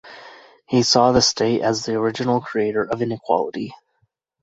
He saw the state as the original creator of inequality.